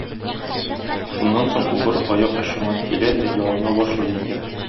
Шуннан соң убыр аяк очыңа килә дә ялына башлый икән.